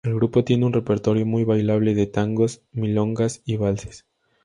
El grupo tiene un repertorio muy bailable de tangos, milongas y valses.